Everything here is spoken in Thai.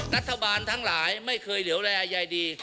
รัฐบาลทั้งหลายไม่เคยเหลวแรยายดี